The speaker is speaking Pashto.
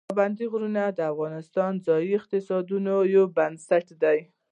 پابندي غرونه د افغانستان د ځایي اقتصادونو یو بنسټ دی.